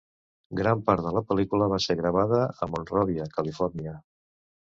Gran part de la pel·lícula va ser gravada a Monrovia, Califòrnia.